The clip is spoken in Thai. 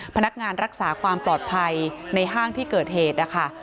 พนักงานรักษาความปลอดภัยในห้างที่เกิดเหตุนะคะ